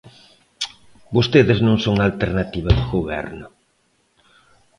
Vostedes non son alternativa de goberno.